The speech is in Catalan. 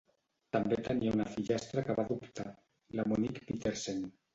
També tenia una fillastra que va adoptar, la Monique Petersen.